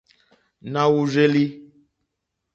Na wurzeli.